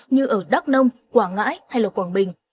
như ở đắk nông quảng ngãi hay là quảng bình